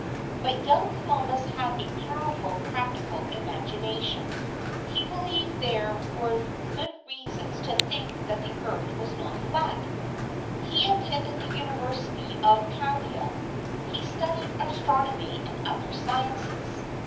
But young Columbus had a powerful, practical imagination. He believed there were good reasons to think that the Earth was not flat. He attended the University of Pavia. He studied astronomy and other sciences.